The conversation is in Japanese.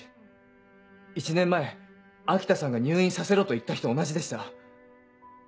１年前秋田さんが「入院させろ」と言った日と同じでした。